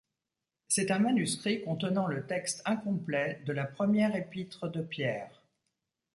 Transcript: C'est un manuscrit contenant le texte incomplet de la Première épître de Pierre.